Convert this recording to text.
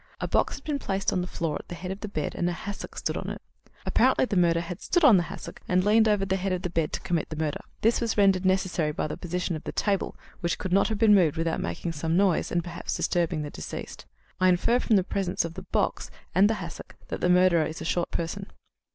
A box had been placed on the floor at the head of the bed and a hassock stood on it. Apparently the murderer had stood on the hassock and leaned over the head of the bed to commit the murder. This was rendered necessary by the position of the table, which could not have been moved without making some noise and perhaps disturbing the deceased. I infer from the presence of the box and hassock that the murderer is a short person."